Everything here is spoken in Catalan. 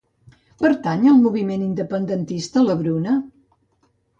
Pertany al moviment independentista la Bruna?